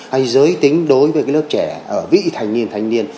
hay giới tính đối với lớp trẻ ở vị thành niên thành niên